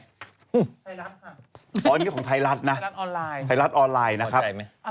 อ๋ออันนี้ของไทรัทนะไทรัทออนไลน์นะครับ